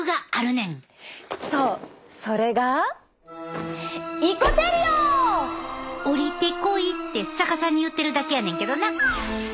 そうそれが「降りてこい」って逆さに言ってるだけやねんけどな。